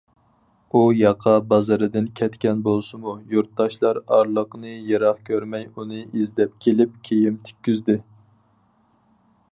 ئۇ ياقا بازىرىدىن كەتكەن بولسىمۇ، يۇرتداشلار ئارىلىقنى يىراق كۆرمەي ئۇنى ئىزدەپ كېلىپ كىيىم تىككۈزدى.